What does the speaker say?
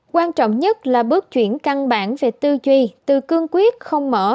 quan trọng nhất là bước chuyển căn bản về tư duy từ cương quyết không mở